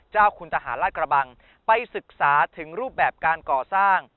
เจ้าคุณทหารราชกระบังไปศึกษาถึงรูปแบบการก่อสร้าง